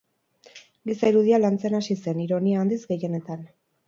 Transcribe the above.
Giza irudia lantzen hasi zen, ironia handiz gehienetan.